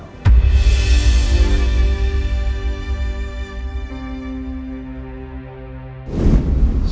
ketika saya melihat roy meninggal